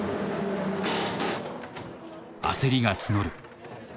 焦りが募る。